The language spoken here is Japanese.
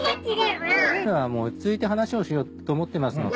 落ち着いて話をしようと思ってますので。